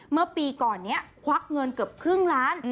เมื่อปีก่อนนี้ควักเงินเกือบครึ่งล้าน